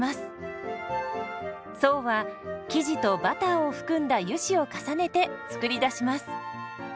層は生地とバターを含んだ油脂を重ねて作り出します。